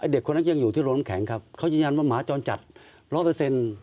เด็กคนนั้นยังอยู่ที่โรงน้ำแข็งครับเขายืนยันว่าหมาจรจัดร้อยเปอร์เซ็นต์